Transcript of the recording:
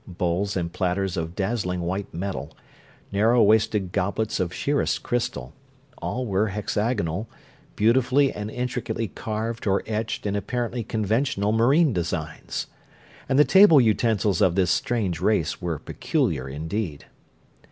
Bowls and platters of dazzlingly white metal, narrow waisted goblets of sheerest crystal; all were hexagonal, beautifully and intricately carved or etched in apparently conventional marine designs. And the table utensils of this strange race were peculiar indeed.